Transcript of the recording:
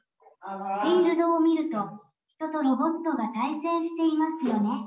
フィールドを見ると人とロボットが対戦していますよね。